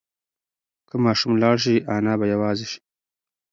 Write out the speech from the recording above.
که ماشوم لاړ شي انا به یوازې شي.